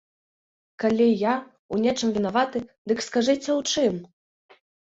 Калі я ў нечым вінаваты, дык скажыце ў чым!